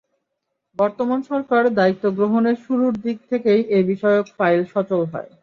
বর্তমান সরকার দায়িত্ব গ্রহণের শুরুর দিক থেকেই এ-বিষয়ক ফাইল সচল হয়।